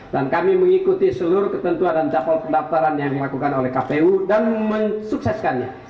dan kami mengikuti seluruh ketentuan dan jadwal pendaftaran yang dilakukan oleh kpu dan mensukseskannya